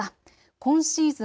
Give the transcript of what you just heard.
今シーズン